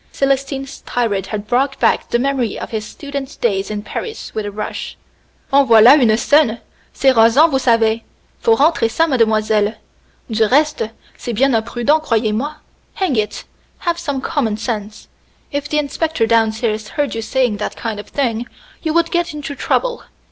Célestine's tirade had brought back the memory of his student days in Paris with a rush. "En voilà une scène! C'est rasant, vous savez. Faut rentrer ça, mademoiselle. Du reste, c'est bien imprudent, croyez moi. Hang it! have some common sense! If the inspector downstairs heard you saying that kind of thing, you would get into trouble.